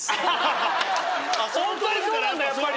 ほんとにそうなんだやっぱり。